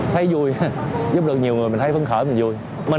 thấy vui giúp được nhiều người mình thấy vấn khởi mình vui